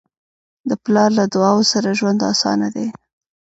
د پلار له دعاؤ سره ژوند اسانه دی.